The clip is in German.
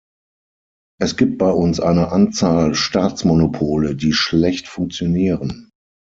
Es gibt bei uns eine Anzahl Staatsmonopole, die schlecht funktionieren.